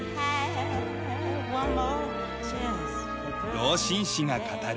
老紳士が語る。